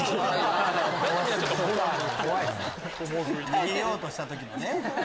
逃げようとした時のね。